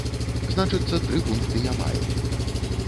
Значыцца, тры пункты я маю.